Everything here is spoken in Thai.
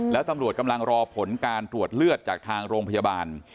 แล้วตำรวจกำลังรอผลการตรวจเลือดจากทางโรงพยาบาล